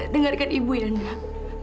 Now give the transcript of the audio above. dengarkan ibu ya nak